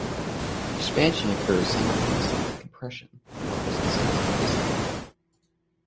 Expansion occurs simultaneously with compression, on opposite sides of the piston.